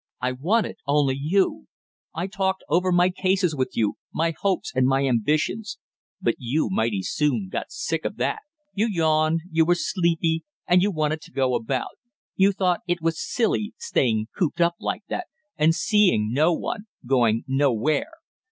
I wanted only you; I talked over my cases with you, my hopes and my ambitions; but you mighty soon got sick of that you yawned, you were sleepy, and you wanted to go about; you thought it was silly staying cooped up like that, and seeing no one, going nowhere!